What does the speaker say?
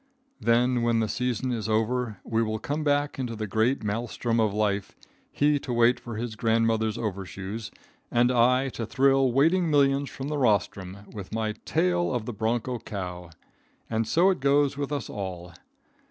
Then, when the season is over, we will come back into the great maelstrom of life, he to wait for his grandmother's overshoes and I to thrill waiting millions from the rostrum with my "Tale of the Broncho Cow." And so it goes with us all.